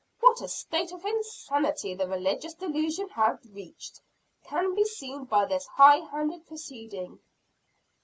What a state of insanity the religious delusion had reached, can be seen by this high handed proceeding.